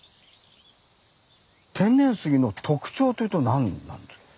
天然杉の特徴というと何なんですか？